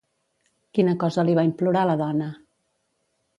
Quina cosa li va implorar la dona?